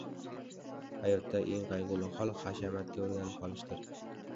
Hayotdagi eng qayg‘uli hol – hashamatga o‘rganib qolishdir.